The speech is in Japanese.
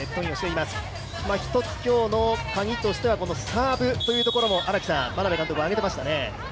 ひとつ、今日のカギとしてはサーブというところも眞鍋監督は挙げていましたね。